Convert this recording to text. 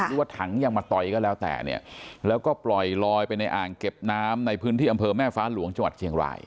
หรือว่าถังยังมาต่อยก็แล้วแต่เนี่ยแล้วก็ปล่อยลอยไปในอ่างเก็บน้ำในพื้นที่อำเภอแม่ฟ้าหลวงจังหวัดเชียงราย